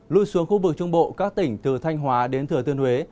lui xuống khu vực trung bộ các tỉnh từ thanh hóa đến thừa tiên huế